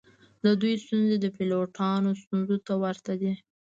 د دوی ستونزې د پیلوټانو ستونزو ته ورته دي